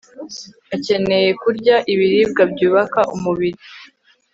akeneye kurya ibiribwa byubaka umubiri